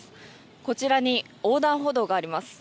こちらに横断歩道があります。